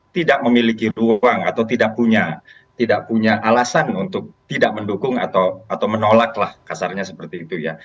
tidak memiliki ruang atau tidak punya alasan untuk tidak mendukung atau menolaklah kasarnya seperti itu ya